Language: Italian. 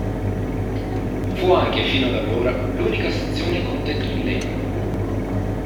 Fu anche, fino ad allora, l'unica stazione con tetto in legno.